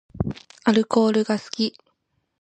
アルコールが好き